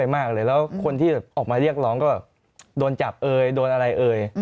มาเรียกร้องก็โดนจับเอ่ยโดนอะไรเอ่ย